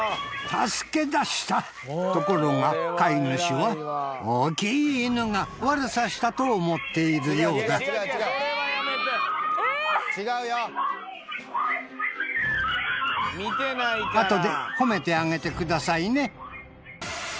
助けだしたところが飼い主は大きい犬が悪さしたと思っているようだあとで褒めてあげてくださいね